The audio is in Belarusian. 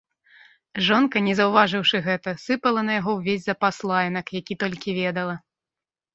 Жонка, не заўважыўшы гэта, сыпала на яго ўвесь запас лаянак, які толькі ведала.